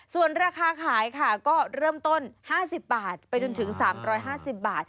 ส่วนราคาขายค่ะ